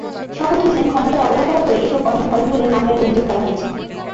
শওকত হোসেন ক্ষমতার অপব্যবহার করে এসব অনিয়ম করেন বলে মামলায় অভিযোগ করা হয়েছে।